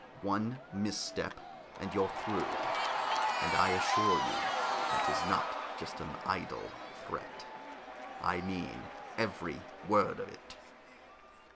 One misstep, and you're through. And I assure you that is not just an idle threat. I mean every word of it."